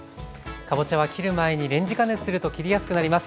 かぼちゃは切る前にレンジ加熱すると切りやすくなります。